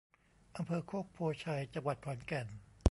อำเภอโคกโพธิ์ไชย จังหวัดขอนแก่น